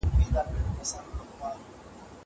زه لیکل کړي دي!!